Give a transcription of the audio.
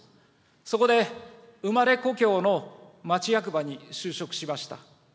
そこで、生まれ故郷の町役場に就職しました。